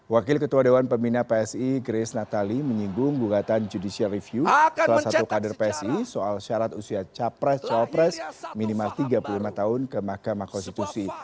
wakil ketua dewan pembina psi grace natali menyinggung gugatan judicial review salah satu kader psi soal syarat usia capres cawapres minimal tiga puluh lima tahun ke mahkamah konstitusi